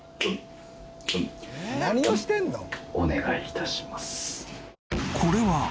お願い致します。